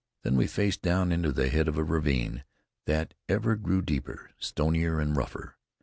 Then we faced down into the head of a ravine that ever grew deeper, stonier and rougher.